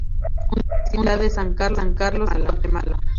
Universidad de San Carlos de Guatemala